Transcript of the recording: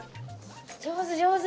上手上手。